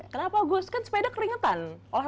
kenapa gus kan sepeda keringetan